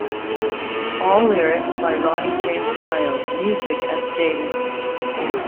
All lyrics by Ronnie James Dio, music as stated.